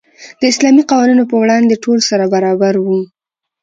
د اسلامي قوانینو په وړاندې ټول سره برابر وو.